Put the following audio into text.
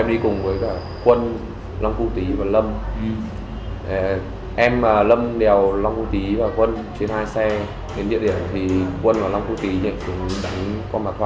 em đi cùng với quân long cú tí và lâm em và lâm đèo long cú tí và quân trên hai xe đến địa điểm thì quân và long cú tí đánh con bà thoa